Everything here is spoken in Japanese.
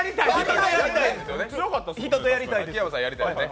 人とやりたいです。